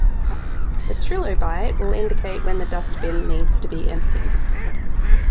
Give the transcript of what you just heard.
The Trilobite will indicate when the dustbin needs to be emptied.